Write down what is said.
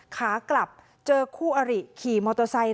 ขากลับเจอคู่อริขี่มอเตอร์ไซค์